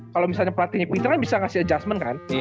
kalo misalnya pelatihnya pintar kan bisa ngasih adjustment kan